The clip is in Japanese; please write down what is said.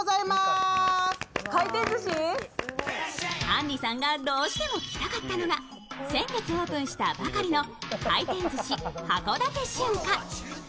あんりさんがどうしても来たかったのが、先月オープンしたばかりの回転寿司函館旬花。